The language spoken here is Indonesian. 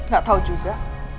gak tau juga